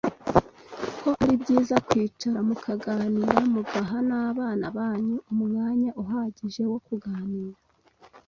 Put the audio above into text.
ko ari byiza kwicara, mukaganira, mugaha n’abana banyu umwanya uhagije wo kuganira